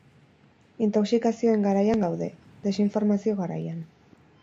Intoxikazioen garaian gaude, desinformazio garaian.